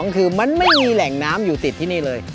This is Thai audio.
คือมันไม่มีแหล่งน้ำอยู่ติดที่นี่เลย